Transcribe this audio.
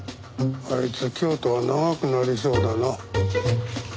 あいつ京都は長くなりそうだな。